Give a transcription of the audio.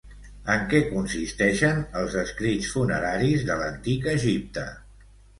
En què consisteixen els escrits funeraris de l'Antic Egipte?